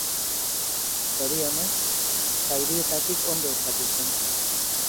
Zorionez, zaurietatik ondo osatu zen.